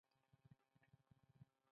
د موږک په سترګو کې پیشو هم زمری ښکاري.